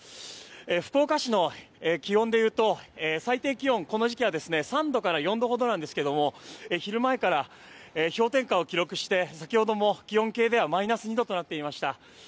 福岡市の気温でいうと最低気温この時期は３度から４度ほどなんですが昼前から氷点下を記録して先ほども気温計ではマイナス２度となっていました。